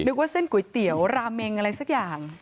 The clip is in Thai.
ว่าเส้นก๋วยเตี๋ยวราเมงอะไรสักอย่าง